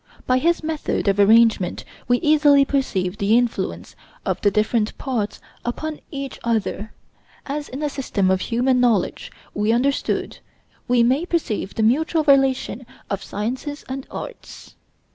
By his method of arrangement we easily perceive the influence of the different parts upon each other; as, in a system of human knowledge well understood, we may perceive the mutual relation of sciences and arts.